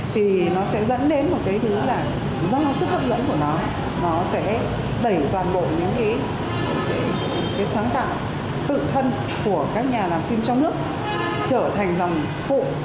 thì nó sẽ dẫn đến một cái thứ là do sức hấp dẫn của nó nó sẽ đẩy toàn bộ những cái sáng tạo tự thân của các nhà làm phim trong nước trở thành dòng phụ